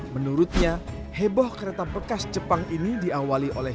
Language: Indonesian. menurutnya heboh kereta bekas jepang ini diawali oleh